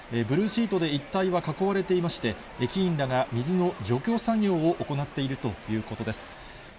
ブルーシートで一帯は囲われていまして、駅員らが水の除去作業を行っているということです。